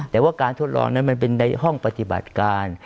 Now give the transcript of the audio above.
แต่ว่าการทดลองนั้นมันเป็นในห้องปฏิบัติการ